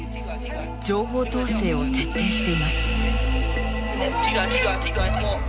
情報統制を徹底しています。